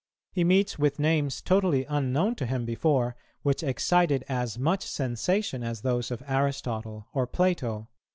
He meets with names totally unknown to him before, which excited as much sensation as those of Aristotle or Plato.